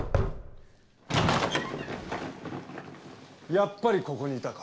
やっぱりここにいたか。